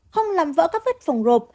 không làm vỡ các vết phòng rộp